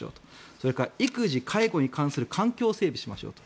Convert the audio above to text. それから育児介護に関する環境を整備しましょうと。